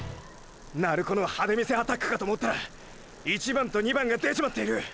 鳴子の派手見せアタックかと思ったら１番と２番が出ちまっている！！